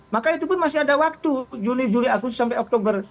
maka itu pun masih ada waktu juni juli agustus sampai oktober